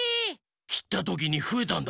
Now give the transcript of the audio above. きったときにふえたんだ。